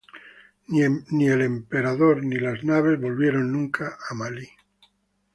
Ni el emperador ni las naves volvieron nunca a Malí.